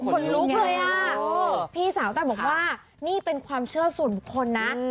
คนลุกเลยอ่ะพี่สาวแต้บอกว่านี่เป็นความเชื่อส่วนบุคคลนะ